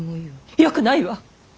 よくないわ！